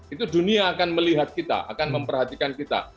itu dunia akan melihat kita akan memperhatikan kita